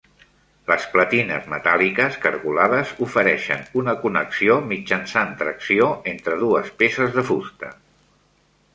Les platines metàl·liques cargolades ofereixen una connexió mitjançant tracció entre dues peces de fusta.